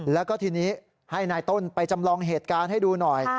แล้วก็ทีนี้ให้นายต้นไปจำลองเหตุการณ์ให้ดูหน่อย